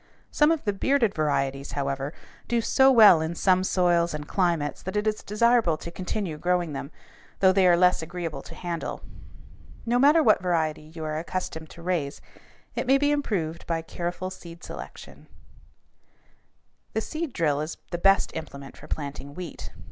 Some of the bearded varieties, however, do so well in some soils and climates that it is desirable to continue growing them, though they are less agreeable to handle. No matter what variety you are accustomed to raise, it may be improved by careful seed selection. [Illustration: FIG. 195. SELECTING WHEAT SEED] The seed drill is the best implement for planting wheat.